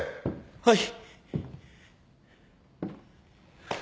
はい。